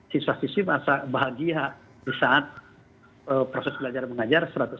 siswa siswi bahagia di saat proses belajar mengajar